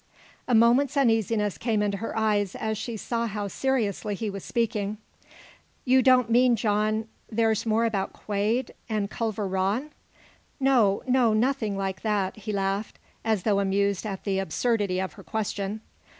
A moment's uneasiness came into her eyes as she saw how seriously he was speaking. "You don't mean, John there's more about Quade and Culver Rann?" "No, no nothing like that," he laughed, as though amused at the absurdity of her question.